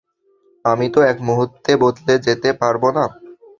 আমি তো এক মুহূর্তে বদলে যেতে পারবো না।